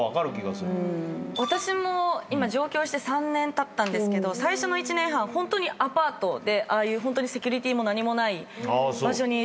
私も今上京して３年たったんですけど最初の１年半はホントにアパートでああいうセキュリティーも何もない場所に住んでたんで。